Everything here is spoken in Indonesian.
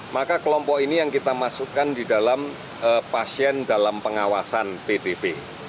maka kelompok ini yang kita masukkan di dalam pasien dalam pengawasan ptb